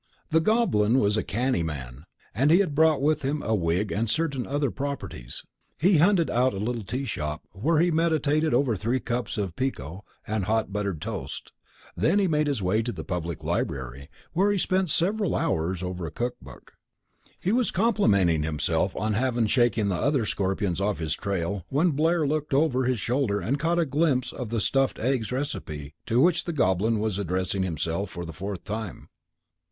The Goblin was a canny man, and he had brought with him a wig and certain other properties. He hunted out a little tea shop, where he meditated over three cups of pekoe and hot buttered toast. Then he made his way to the Public Library, where he spent several hours over a cook book. He was complimenting himself on having shaken the other Scorpions off his trail when Blair looked over his shoulder and caught a glimpse of the stuffed eggs recipe to which the Goblin was addressing himself for the fourth time.